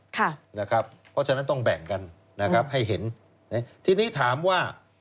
เพราะฉะนั้นต้องแบ่งกันนะครับให้เห็นทีนี้ถามว่า